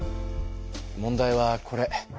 問題はこれ。